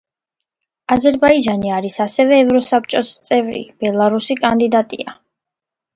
აზერბაიჯანი არის ასევე ევროსაბჭოს წევრი, ბელარუსი კანდიდატია.